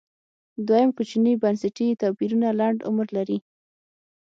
دویم کوچني بنسټي توپیرونه لنډ عمر لري